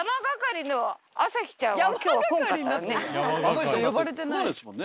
朝日さんだって食わないですもんね